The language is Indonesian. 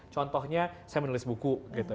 contohnya saya menulis buku gitu